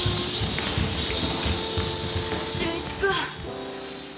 俊一君！